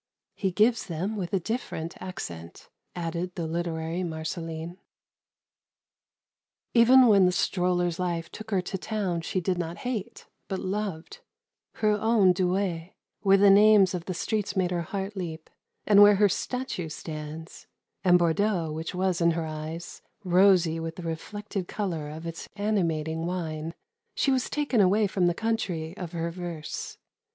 "He gives them with a different accent," added the literary Marceline. Even when the stroller's life took her to towns she did not hate, but loved her own Douai, where the names of the streets made her heart leap, and where her statue stands, and Bordeaux, which was, in her eyes, "rosy with the reflected colour of its animating wine" she was taken away from the country of her verse.